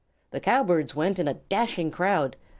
The Cowbirds went in a dashing crowd.